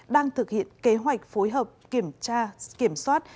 đang thực hiện kế hoạch phối hợp kiểm tra kiểm soát